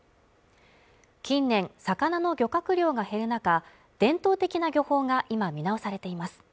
近年、魚の漁獲量が減る中伝統的な漁法が今見直されています。